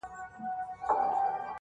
د وخت خدايان که چي زر ځلې په کافر وبولي_